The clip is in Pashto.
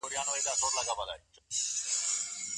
ډوډۍ بې مالګې نه پخېږي.